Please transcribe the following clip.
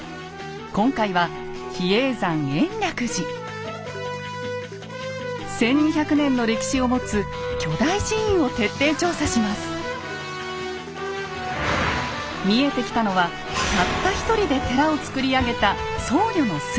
今回は１，２００年の歴史を持つ巨大寺院を見えてきたのはたった一人で寺をつくり上げた僧侶の姿。